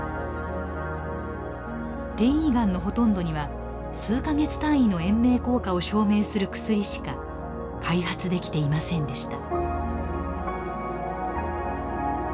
転移がんのほとんどには数か月単位の延命効果を証明する薬しか開発できていませんでした。